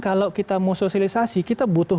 kalau kita mau sosialisasi kita butuh